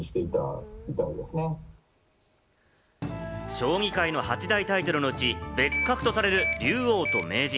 将棋界の８大タイトルのうち、別格とされる竜王と名人。